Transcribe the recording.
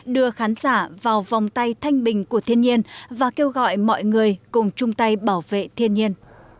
đưa khán giả vào vòng tay thanh bình của thiên nhiên và kêu gọi mọi người cùng chung tay bảo vệ thiên nhiên